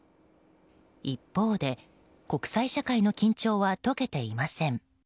一方で、国際社会の緊張は解けていません。